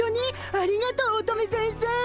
ありがとう乙女先生！